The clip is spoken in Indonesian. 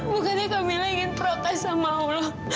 bukannya kamila ingin protes sama allah